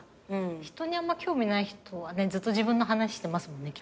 人にあんま興味ない人はねずっと自分の話してますもんね。